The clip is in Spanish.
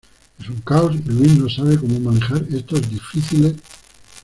Es un caos, y Luis no sabe cómo manejar estos difíciles.